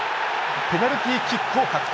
ペナルティーキックを獲得。